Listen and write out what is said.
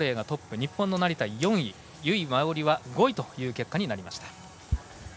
日本の成田、４位由井真緒里は５位という結果になりました。